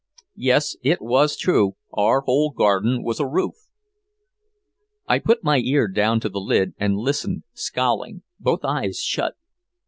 Yes, it was true, our whole garden was a roof! I put my ear down to the lid and listened scowling, both eyes shut.